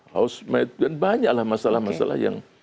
housemate dan banyak lah masalah masalah